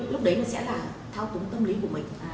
lúc đấy nó sẽ là thao túng tâm lý của mình